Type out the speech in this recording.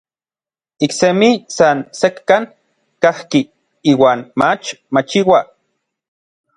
Iksemi san sekkan kajki iuan mach machiua.